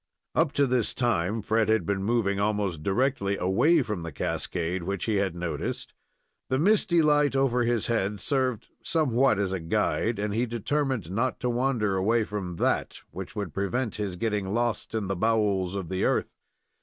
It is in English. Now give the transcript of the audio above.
Up to this time Fred had been moving almost directly away from the cascade which he had noticed. The misty light over his head served somewhat as a guide, and he determined not to wander away from that, which would prevent his getting lost in the bowels of the earth.